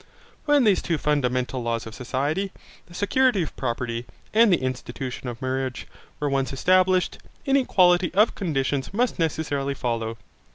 When these two fundamental laws of society, the security of property, and the institution of marriage, were once established, inequality of conditions must necessarily follow.